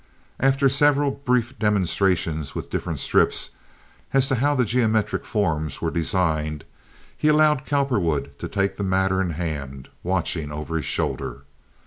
After several brief demonstrations with different strips, as to how the geometric forms were designed, he allowed Cowperwood to take the matter in hand, watching over his shoulder.